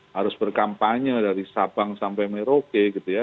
harus berkampanye dari sabang sampai merauke gitu ya